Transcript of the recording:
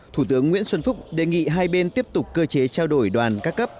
thủ tướng nguyễn xuân phúc đề nghị hai bên tiếp tục cơ chế trao đổi đoàn các cấp